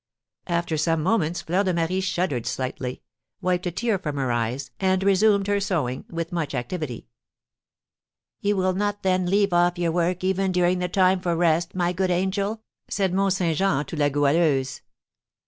After some moments Fleur de Marie shuddered slightly, wiped a tear from her eyes, and resumed her sewing with much activity. "You will not then leave off your work even during the time for rest, my good angel?" said Mont Saint Jean to La Goualeuse.